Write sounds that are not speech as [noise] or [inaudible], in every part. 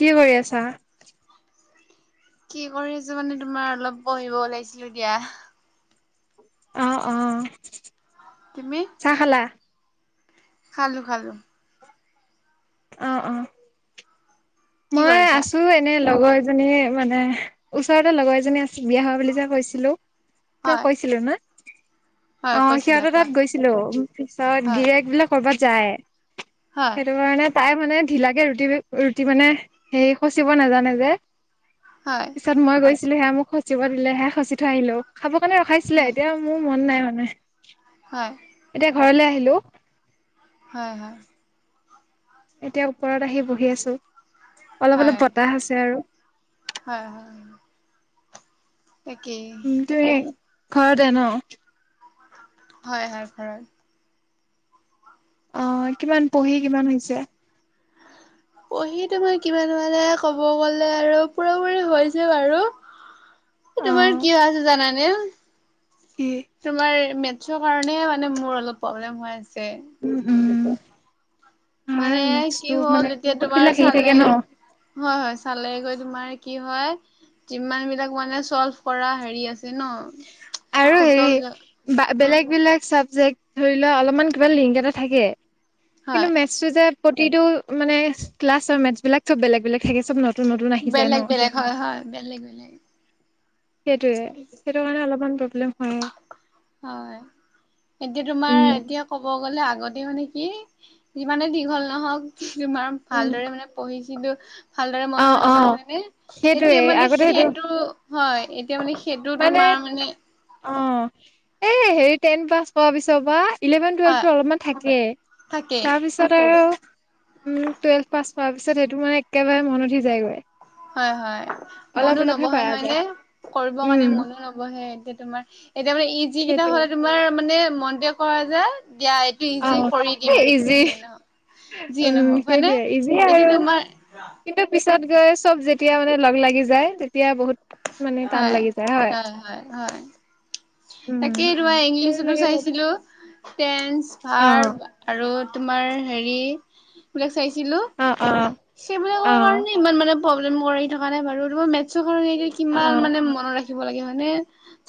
কি কৰি আছা? কি কৰি আছো মানে তোমাৰ অলপ পঢ়িব ওলাইছিলো দিয়া। অ অ চাহ খালা। খালোঁ খালোঁ। অ অ কি মই কৰিছা? আছো এনেই লগৰ। এজনী মানে ওচৰতে লগৰ এজনী আছিল বিয়া হয় বুলি যে কৈছিলো। তই হয় কৈছিলো না। হয় অ কৈছিলা সিহঁতে কোৱা। তাত গৈছিলোঁ পিছত হয় গিৰেয়ক বোলে কৰবাত যায়। হয় সেইটো কাৰণে তাই মানে ঢিলাকে ৰুটি ৰুটি মানে হেৰি সচিব নাজানে যে। হয় পিছত মই গৈছিলো সেয়া মোক সচিব দিলে হে সচি থৈ আহিলোঁ। খাব কাৰণে ৰখাইছিলে হয় এতিয়া মোৰ মন নাই মানে হয় এতিয়া ঘৰলৈ আহি হেল্ল' হয় হয় এতিয়া ওপৰত আহি বহি আছো, অলপ হয় অলপ বতাহ আছে আৰু। হয় হয়। তাকেই উ তুমি ঘৰতে ন। হয় হয় ঘৰত। অ কিমান পঢ়ি কিমান হৈছে? হয় [inaudible] পঢ়ি তোমাৰ কিমান মানে ক'ব গ'লে আৰু পুৰাপুৰি হৈছে বাৰু। আহ তোমাৰ কি আছে জানানে কি তোমাৰ মেথছৰ কাৰণে মানে মোৰ অলপ প্ৰব্লেম হৈ আছে। উম! উম! হয় মানে কি মেথছটো মানে হ'ল এতিয়া বহুত তোমাৰ বিলাক হেৰি চালে থাকে ন হয় হয় চালে গৈ তোমাৰ কি হয় যিমান বিলাক মানে চল্ভ কৰা হেৰি আছে ন। আৰু হেৰি সূত্ৰবিলাক বা বেলেগ এইবিলাক চাবজেক্ট ধৰি লোৱা অলপমান কিবা লিংক এটা থাকে, হয় কিন্তু মেথছটো যে প্ৰতিটো মানে ক্লাছ আৰু মেথছ বিলাক চব বেলেগ বেলেগ থাকে চব ন নতুন নতুন আহি যায় বেলেগ বেলেগ হয় হয় বেলেগ বেলেগ। সেইটোৱে সেইটো কাৰণে অলপ হয়, এতিয়া তোমাৰ উম এতিয়া ক'ব গ'লে আগ আগতে মানে কি যিমানে দীঘল নহওক তোমাৰ উম ভালদৰে মানে পঢ়িছিলো। ভালদৰে অ মনত অ ৰাখিছিলে মানে সেইটোৱে এতিয়া মানে আগতে সেইটো হয় এতিয়া মানে সেইটো তোমাৰ মানে অ এ হেৰি টেন পাছ কৰা পিছ পা ইলেভেন হয় টুৱেলভটো অলপমান থাকে থাকে তাৰপিছত আৰু উম! টুৱেলভ পাছ কৰ পিছত সেইটো মানে একেবাৰে মন উঠি যায়গৈ। হয় হয়। অলপ মনো অলপহে নবহে পাৰা হয় নে, যায় কৰিব কাৰণে উম মনো নবহে এতিয়া তোমাৰ এতিয়া মানে ই যি কেইটা সেইটোৱে হলে তোমাৰ মানে মনটোৱে কই যে দিয়া এইটো ইজি অ'। কৰি এ দিম ইজি যিয়ে নহ উম সেইটোৱে ইজিয়ে আৰু তোমাৰ কিন্তু পিছত গৈ চব যেতি তেতিয়া মানে লগ লাগি যায় তেতিয়া বহুত মানে টান হয় লাগি যায় হয় হয় উম। তাকেই এই তোমাৰ ইংলিছতো সেইবিলাকে অ', চাইছিলো টেন্ঞ্চ ভাৰব আৰু তোমাৰ হেৰি ছিলো অ', অ', সেইবিলাকৰ কাৰণে অ', ইমান মানে প্ৰব্লেম কৰা থকা নাই বাৰু তমাৰ মেথছৰ কাৰ কিমান অ', মানে মনত ৰাখিব লাগে মানে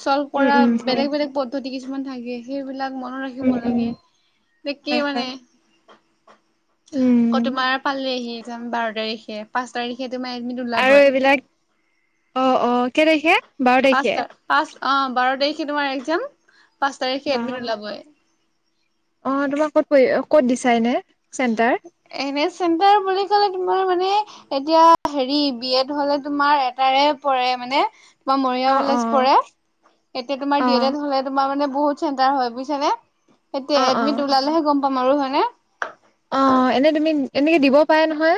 চল্ভ উম, কৰা উম হয়। বেলেগ বেলেগ পদ্ধতি কিছুমান থাকে সেইবিলাক মনত উম, ৰাখিব উম লাগে এ কি হয়, হয়, মানে আকৌ উম তোমাৰ পালেহি যাম বাৰ তাৰিখে পাঁচ তাৰিখে তোমাৰ একমিনি আৰু ওলাবই এইবিলাক অ অ কেই তাৰিখে বাৰ পাঁচ তাৰিখে পাঁচ অ বাৰ তাৰিখে তোমাৰ একজাম পাঁচ তাৰিখে বা এডমিট ওলাবই অ তোমাক ক'ত পৰি ক'ত দিছা এনে চেণ্টাৰ এনে চেন্তাৰ বুলি কলে তোমাৰ মানে এতিয়া হেৰি বি এড হলে তোমাৰ এটাৰে পৰে মানে তোমাৰ অ মৰিগাঁও অ কলেজ পৰে এতিয়া তোমাৰ অ ডি এড এড হলে তোমাৰ মানে বহুত চেণ্টাৰ হয় বুইছানে। অ এতিয়া অ এডমিট ওলালেহে গম পাম আৰু হয়নে অ এনে তুমি এনেকে দিব পাৰে নহয়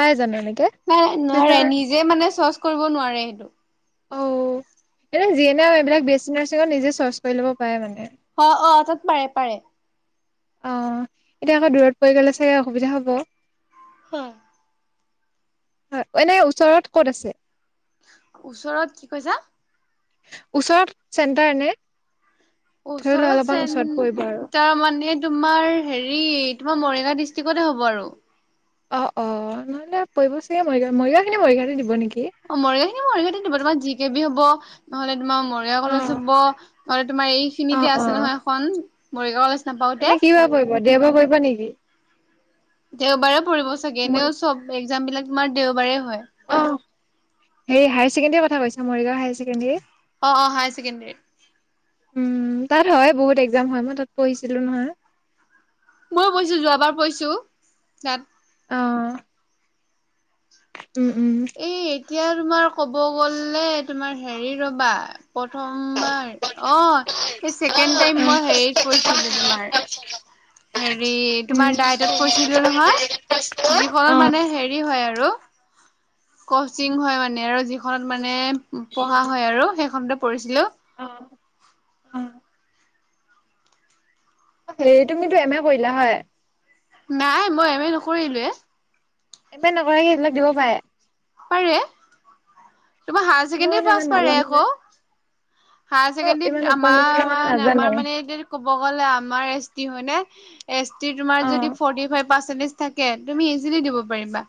পাই জানো এনেকে নাই নাই নোৱাৰে থ্ৰিলাৰ নিজে মানে চৰ্চ কৰিব নোৱাৰে সেইটো অ এনে যিয়ে ন এইবিলাক বে নাৰ্চিঙত নিজে চৰ্চ কৰি ল'ব পাৰে মানে। অ অ তাত পাৰে পাৰে অ এতিয়া আকৌ দূৰত পৰি গ'লে চাগ অসুবিধা হ'ব হুম হয় এনে ওচৰত ক'ত আছে? ওচৰত কি কৈছা ওচৰত চেণ্টাৰ নে ধৰি লোৱা ওচৰত অলপমান চ ওচৰত পৰিব আৰু তাৰ মানে তোমাৰ হেৰি তোমাৰ মৰিগাঁও ডিষ্ট্ৰিকতে হ'ব আৰু অ অ নহলে পৰিব চাগে মৰিগাঁও মৰিগাঁও খিনি মৰিগাওঁটে দিব নেকি অ মৰিগাঁও খিনি মৰিগাঁতে দিব তোমাৰ জি কে বি হব নহ'লে তোমাৰ মৰিগাঁও অ কলেজত হব নহলে তোমাৰ অ এইখিনিতে অ আছে নহয় এখন মৰিগাঁও কলেজ নাপাওতে এনে কি বাৰ পৰিব দেওবাৰ পৰিব নেকি? দেওবাৰে পৰিব চাগে এনেও চব একজাম বিলাক তোমাৰ দেওবাৰে হয় অ হেৰি হায়াৰ ছেকেণ্ডৰ কথা কৈছা মৰিগাওঁ অ অ হায়াৰ ছেকেণ্ডেৰীত উম তাত হয় বহুত একজাম হয় মই তাত পঢ়িছিলো নহয় ময়ো পৈহিছো যোৱাবাৰ পৈহিছো তাত অ উম উম এই এতিয়া তোমাৰ ক'ব গ'লে তোমাৰ হেৰি ৰবা প্ৰথমবাৰ অ এই অ চছেকেণ্ড টাইম মই হেৰিত পঢ়িছিলো তোমাৰ হেৰি উম তোমাৰ ডাইটত পৰিছিলো নহয় অ যিখনত মানে হেৰি হয় আৰু আৰু কচিং হয় মানে আৰু যিখনত মানে পঢ়া হয় আৰু সেইখনতে পঢ়িছিলোঁ অ উম সেই তুমিতো এম এ কৰিলা হয় নাই মই এম এ নকৰিলোৱে এমে নকৰাকে সেইবিলাক দিব পাৰে পাৰে তোমাৰ হায় মই চেকেণ্ডৰী মানে পাছ ইমান কৰে নাজানো যে আকৌ মই ইমান হায়ছেণ্ডেৰিত ওপৰ আমাৰ লেভেলৰ মানে ম নাজানো আমাৰ মানে, কব গ'লে আমাৰ এছ টি হয় নে, এচটি তোমাৰ অ যদি অ ফৰ্টি-ফাইভ পাৰ্চেনটেজ থাকে, তুমি ইজিলি দিব পাৰিবা,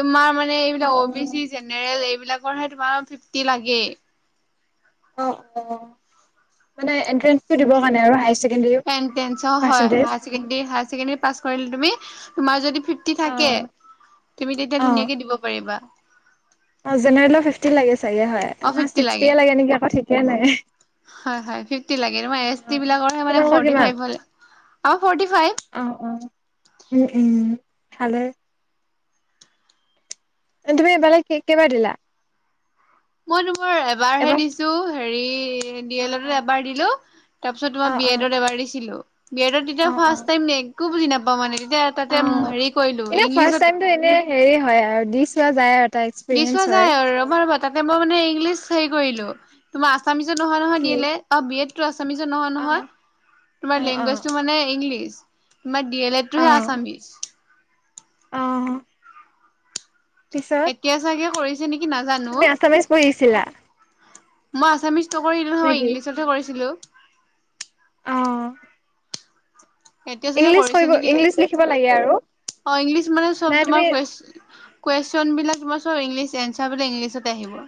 তোমাৰ মানে এই অ বিলাক অবিচি, জেনেৰেল বিলাকৰহে তোমাৰ ফিফটি লাগে। অ অ, মানে এনট্ৰেনছটো দিব কাৰণে আৰু হায়াৰ ছেকে এনট্ৰেনছৰ হয়, হায়ছেকেণ্ডেৰি হায়ছেকেণ্ডেৰি পাছ কৰিলে তুমি তোমাৰ যদি ফিফটি থাকে, অ তুমি তেতিয়া অ ধুনীয়াকে দিব পাৰিবা। অ জেনেৰেলৰ ফিফটি লাগে চাগে হয়, অ' নে ফিফটি ছিক্সটিয়ে লাগে নেকি আকৌ ঠিকে নাই। হয় হয় ফিফটি লাগে, তোমাৰ অ অ এচটি বিলাকৰ হে মানে তোমালোকৰ ফৰ্টি কিমান ফাইভ হ'লে আৰু ফৰ্টি ফাইভ অ অ উম উম ভালে তুমি এবালে কে কেইবাৰ দিলা? মই তোমাৰ এবাৰ হে দিছো হেৰি ডি অ অ এলত এবাৰ দিলো, তাৰ পিছত অ তোমাৰ বি অ এডত এবাৰ দিছিলো। বি এডত তেতিয়া অ ফ্ষ্ট টাইম একো বুজি নাপাওঁ মানে। তেয়া, অ তাতে অ হেৰি কৰিলো এনে ফাৰ্ষ্ট ইংলিছত টাইমটো এনে হেৰি হয় আৰু দি চোৱা যায় আৰু এটা দি এক্সপিৰিয়েঞ্চ চোৱা হয় যাই আৰু, ৰবা ৰবা তাতে মই মানে ইংলিছ হেৰি কৰিলো, তোমাৰ আচামিজত নহয় নহয় কি যি এই লেড, অ বি এড আছামিজত নহয় অ নহয়, অ তোমাৰ অ লেংগুৱেজটো মানে ইংলিছ। তোমাৰ ডি এল এডটোহে আছামিজ। অহ এতিয়া চাগে কৰি তুমি আছামিজ পঢ়িছিলা? মই আছামিজ নকৰিলো নহয়, নেকি ইংলিছতহে কৰিছিলো। অ এতিয়া চাগে ইংলিছ কৰিছে কৰিব নেকি? ইংলিছ লিখিব লাগে আৰু অ ইংলিছ মানে চব নাই তুমি তোমাৰ কোৱে কুৱেছন বিলাক তোমাৰ চব ইংলিছ, এঞ্চাৰ বিলাক ইংলিছতে আহিব।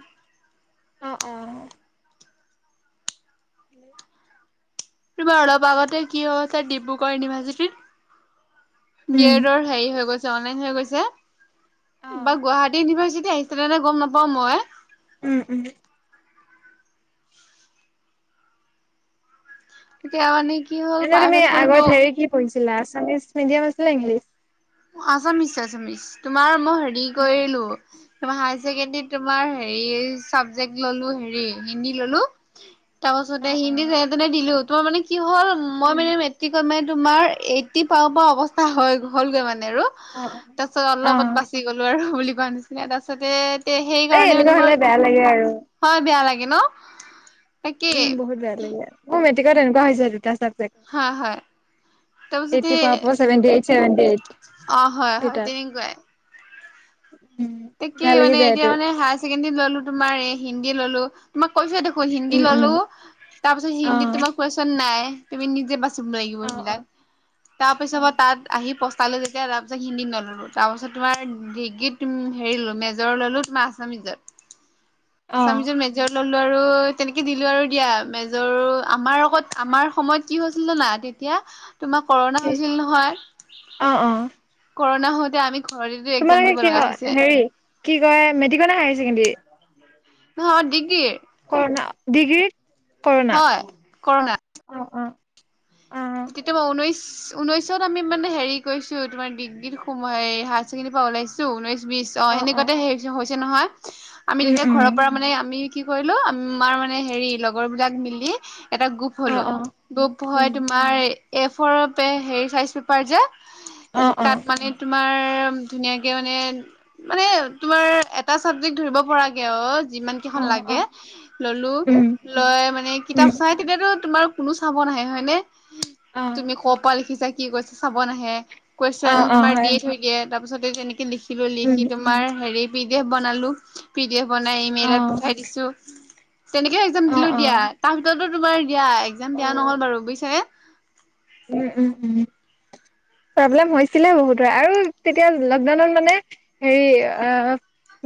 অ অ হেল্ল' তোমাৰ অলপ আগতে কি হৈছিলে, ডিব্ৰুগড় ইউনিভাৰ্চিটিত? বি উম এডৰ হেৰী হৈ গৈছে অনলাইন হৈ গৈছে, অ বা গুৱাহাটী ইউনিভাৰ্ছি আহিছিলে নে গম নাপাওঁ মই। উম উম এতিয়া মানে কি? হ'ল এনে তুমি প্ৰাইভেট কৰিব আগত হেৰি কি পঢ়িছিলা, আছামিজ মিডিয়াম আছিলে নে ইংলিছ? আছামিছ আছামিছ, তোমাৰ মই হেৰি কৰিলো তোমাৰ হায়ছেকেণ্ডৰীত তোমাৰ হেৰি চাবজেক্ট ললো হেৰি হিন্দী ললো। তাৰপাছতে অ', হিন্দী অ'। যেনে-তেনে দিলো, তোমাৰ মানে কি হ'ল মই উম। মানে মেট্ৰিকত মে তোমাৰ এটি পাব পা অৱস্থা হয় হ'লগৈ? মানে আৰু, অ', তাৰপাছত অলপত অ', বাচি গলো আৰু বুলি কোৱা নিচিনা তাৰ পাছতে এ এই সেইকাৰণে মানে এনেকুৱা মই, হ'লে বেয়া লাগে আৰু। হয় বেয়া লাগে ন। তাকেই উম বহুত বেয়া লাগিলে, মোৰ মেট্ৰিকত তেনেকুৱা হৈছে দুটা চাব হয় হয় তাৰপিছতে এইটি পা প চেভেনটি এইট, চেভেনটি এইট। অ হয় হয়, দুটাত। তেনেকুৱাই। উম, তাকে বেয়া লাগি মানে যায় এতিয়া এইটো, মানে হায়ছেকেণ্ডৰি ললো তোমাৰ হিন্দী ললো, তোমাক কৈছোঁ দেখোন হিন্দী উম, উম, ললো, তাৰ পিছত হিন্দীত অ'। তোমাৰ কুৱেশন নাই, তুমি নিজে বাচ চব লাগিব অ', সেইবিলাক, অ'। তাৰ পিছৰ পৰা অ', তাত আহি পচ পালোঁ যেতিয়া তাৰপিছত হিন্দীত নললো, তাৰপাছত তোমাৰ ডিগ্ৰীত তুমি হেৰি ললো, মেজৰ ললো তোমাৰ আছামিজত, অ', আছামিজত মেজৰ ললো আৰু তেনকে দিলো আৰু দিয়া, মেজৰ আমাৰ লগত আমাৰ সময়ত কি হৈছিল জানা? তেতিয়া তোমাৰ কৰ'ণা ঠিক, হৈছিল নহয়, অ', অ', কৰ'ণা হওতে আমি ঘৰতেতো এক্সাম তোমালোকে দিব কি লগা হয় হৈছে। হেৰি কি কয় মেট্ৰিক ৰ নে হায়াৰ ছেকেণ্ডেৰী? অ, ডিগ্ৰী। ডিগ্ৰী কৰোণা হয় কৰ'না অ, অ। অ', তেতিয়া তোমাৰ ঊনৈশ, ঊনৈশত আমি মানে হেৰি কৰিছো তোমাৰ ডিগ্ৰীত সোমায়, হায়াৰ ছেকেণ্ডাৰী ওলাইছো। ঊনৈশ -বিশ অ সেনেকুৱাতে সেই হৈছে নহয়। আমি উম, তেতিয়া উম। ঘৰৰ পৰা মানে আমি কি কৰিলো আ আমাৰ মানে হেৰি লগৰবিলাক মিলি এটা গ্ৰুপ অ', হলো। অ'। গ্ৰুপ হৈ উম। আৰে, এফৰ পে হেৰি চাইজ পেপাৰ যে, অ', অ'। তাত মানে তোমাৰ ধুনীয়া কে মানে মা, নে তোমাৰ এটা চাবজেক্ট ধৰিব পৰাগে আৰু। যিমান কেইখন অ', অ'। লাগে ললো। উম। লয় মানে উম। কিতাপ চাই তেতিয়াতো তোমাৰ কোনো চাব নাহে হয় নে? অ', তুমি ক' পৰা লিখিছা কি কৈছা চাব নাহে। অ', কুৱেশন অ', তোমাৰ হয়। দিয়ে থৈ দিয়ে। তাৰ পিছতে তেনেকে লিখিলো, উম। লিখি তোমাৰ হেৰি পি ডি এফ বনালো, পিডি এফ বনাই ইমেইলত অ', পঠাই দিছো। চি তেনেকে একজাম অ', দিলো অ'। দিয়া, তাৰ ভিতৰতো তোমাৰ দিয়া একজাম দিয়া নহল অ'। বাৰু বুজিচানে? উম, উম, উম। প্ৰব্লেম হৈছিলে বহুতৰে আৰু তেতিয়া লকডাউনত মানে হেৰি অ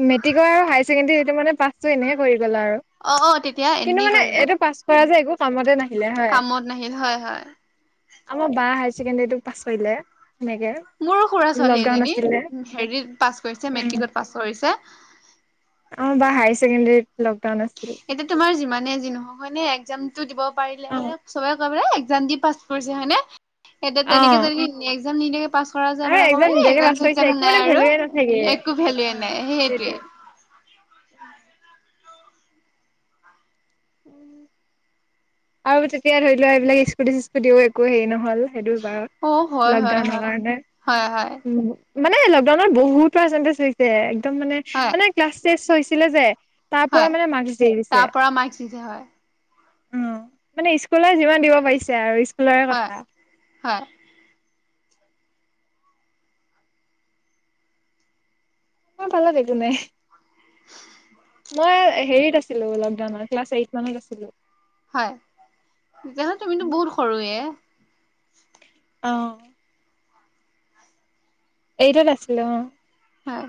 মেটিক আৰু হায়াৰ ছেকেডেৰী সেইটো মানে পাছটো এনে কৰি বলা আৰু অ অ তেতিয়া কিন্তু এনেই মানে কৰি গল এইটো পাছ কৰা যে একো কামতে নাই। কামত নাহিল হয়, হয়। আমাৰ বা হায়াৰ ছেকেণ্ডৰীটোক পাছ কৰিলে। সেনেকে মোৰো খুৰা-ছোৱালী লকডাউন এজনী, আছিলে। হেৰিত পাছ কৰিছে মেট্ৰিকত পাছ কৰিছে। অ, বা হায়াৰ ছেকেণ্ডাৰীত এতিয়া তোমাৰ যিমানে যি নহক হয় নে একজামতটো দিব পাৰিলে মানে অ', চবে কয় বলে এক জানকী পাছ কৰিছে হয়নে? তে তে তে তেনেকে অ'। যদি একজাম নিদিয়াকে পাছ কৰা যায় আৰু মানে ক'ব একদম এই নিজাকে একজাম- বাছ লৈছে চেকজাম একো মানে নাই আৰু ভেলুৱে নাথাকে একো ভেলোয়ে নাই সেইটোৱে। উম। আৰু তেতিয়া ধৰি লোৱা এইবিলাক স্কুটি চিস্কুটিও একো হেৰি নহল। সেইটো বাৰত, অ হয় হয় লকডাউনৰ হয় কাৰণে হয় হয় উম। মানে লকডাউন বহুত পাৰ্চেণ্টেজ হৈছে, একদম মানে হয় মানে ক্লাছ টেষ্ট হৈছিলে যে তাৰ পৰা হয় মানে মাকস দেৰি দিছে। তাৰ পৰা মাৰ্কচ দিছে হয় অ, মানে স্কুলৰ যিমান দিব পাৰিছে আৰু। স্কুলৰে হয়, কথা হয়। মোৰ পালত একো নাই মই হেৰিত আছিলো লকডাউনৰ ক্লাছ এইট মানত আছিলো। হয় তেতিয়া তুমিতো বহুত সৰুৱে। আহ। এইটত আছিলো অ। হয়।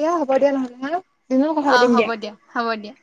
এয়া হ'ব দিয়া নহলে নহয় দিনৰ কথা অ পাতিম দিয়া। হ'ব হ'ব দিয়া